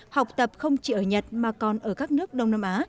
học tập không chỉ ở nhật mà còn ở các nước đông nam á